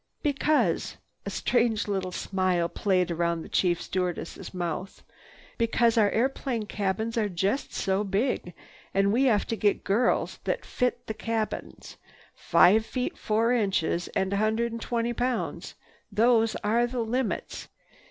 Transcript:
"Because—" a strange little smile played around the chief stewardess' mouth. "Because our airplane cabins are just so big and we have to get girls that fit the cabins,—five feet four inches, a hundred and twenty pounds; those are the limits.